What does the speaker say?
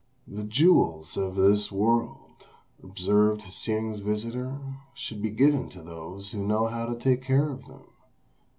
"The jewels of this world," observed Hsing's visitor, "should be given to those who know how to take care of them.